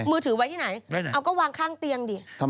มือถือไว้ที่ไหนเอาก็วางข้างเตียงดิ